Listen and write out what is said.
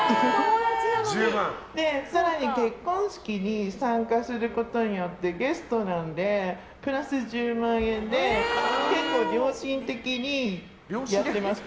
更に結婚式に参加することによってゲストなのでプラス１０万円で結構良心的にやってました。